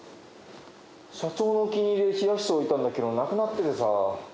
社長のお気に入りで冷やしておいたんだけどなくなっててさ。